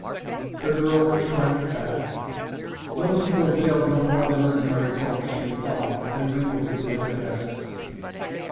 The girl shrank back. "Those who go veiled know more than ordinary folk," she replied, then mingled with the other guests.